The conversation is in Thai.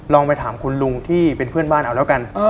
ลองไปถามคุณลุงที่เป็นเพื่อนบ้านเอาแล้วกัน